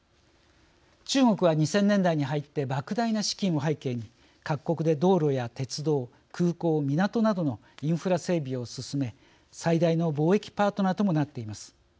中国は２０００年代に入ってばく大な資金を背景に、各国で道路や鉄道空港、港などのインフラ整備を進め最大の貿易パートナーともなっています。